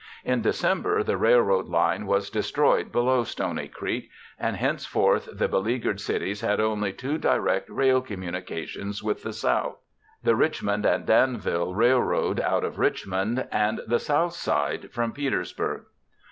In December the railroad line was destroyed below Stony Creek and henceforth the beleaguered cities had only two direct rail communications with the South—the Richmond and Danville Railroad out of Richmond and the Southside from Petersburg.